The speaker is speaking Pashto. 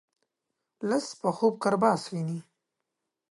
لڅ په خوب کرباس ويني.